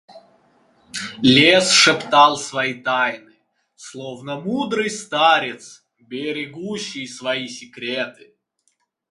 Лес шептал свои тайны, словно мудрый старец, берегущий свои секреты.